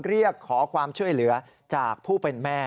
เรียกขอความช่วยเหลือจากผู้เป็นแม่